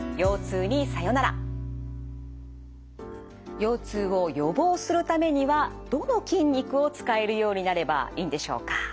腰痛を予防するためにはどの筋肉を使えるようになればいいんでしょうか？